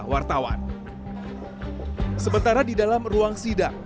wartawan sementara di dalam ruang sidang